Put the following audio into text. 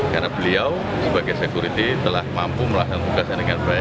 karena beliau sebagai sekuriti telah mampu melakukan tugasan dengan baik